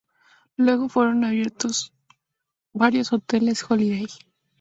Luego fueron abiertos varios hoteles Holiday